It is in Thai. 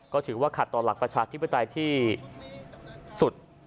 ก็ถือว่าขัดต่อหลักประชาธิปไตยที่สุด